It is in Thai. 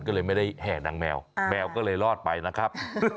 ก็เลยไม่ได้แห่นางแมวแมวก็เลยรอดไปนะครับ